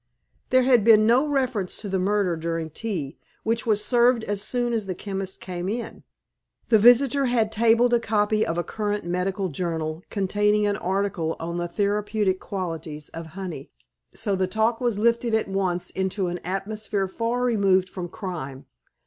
There had been no reference to the murder during tea, which was served as soon as the chemist came in. The visitor had tabled a copy of a current medical journal containing an article on the therapeutic qualities of honey, so the talk was lifted at once into an atmosphere far removed from crime.